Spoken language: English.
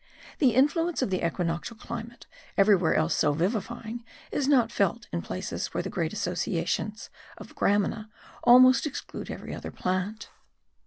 The influence of the equinoctial climate, everywhere else so vivifying, is not felt in places where the great associations of gramina almost exclude every other plant.